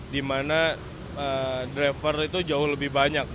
di mana driver itu jauh lebih banyak